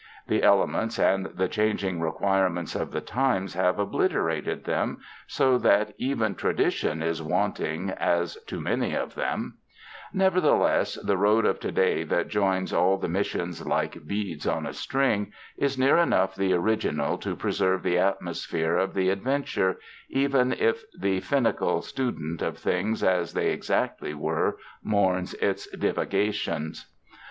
The elements and the chang ing requirements of the times have obliterated them so that even tradition is wanting as to many of them. 141 UNDER THE SKY IN CALIFORNIA Nevertheless, the road of to day that joins all the missions, like beads on a string, is near enough the original to preserve the atmosphere of the adven ture, even if the finical student of things as they ex actly were, mourns its divagations.